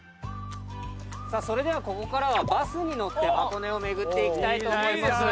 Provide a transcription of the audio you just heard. さあそれではここからはバスに乗って箱根を巡っていきたいと思います。